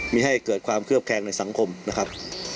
ไม่ให้เกิดความเคลือบแคลงในสังคมนะครับ